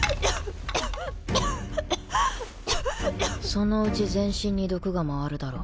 そのうち全身に毒が回るだろう。